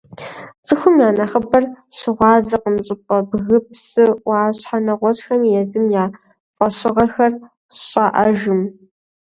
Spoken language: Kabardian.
Цӏыхум я нэхъыбэр щыгъуазэкъым щӏыпӏэ, бгы, псы, ӏуащхьэ, нэгъуэщӏхэми езым я фӏэщыгъэхэр щӏаӏэжым.